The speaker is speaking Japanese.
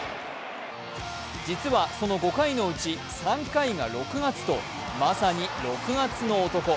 実はその５回のうち３回が６月とまさに６月の男。